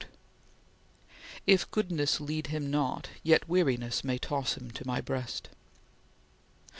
"If goodness lead him not, yet weariness May toss him to My breast."